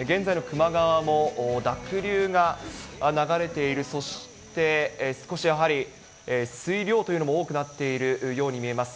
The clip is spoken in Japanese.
現在の球磨川も濁流が流れている、そして、少しやはり水量というのも多くなっているように見えます。